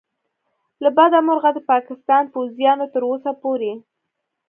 له بده مرغه د پاکستان پوځیانو تر اوسه پورې